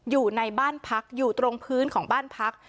อยู่ในบ้านพักอยู่ตรงพื้นของบ้านพัก